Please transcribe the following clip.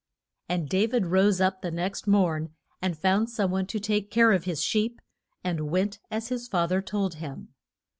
And Da vid rose up the next morn, and found some one to take care of his sheep, and went as his fath er told him.